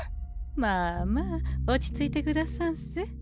まあまあ落ち着いてくださんせ。